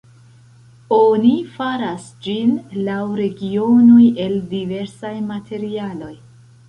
Oni faras ĝin laŭ regionoj el diversaj materialoj.